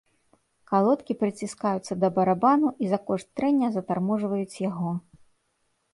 Калодкі прыціскаюцца да барабану, і за кошт трэння затарможваюць яго.